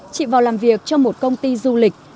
chị vào làm việc trong một công ty du lịch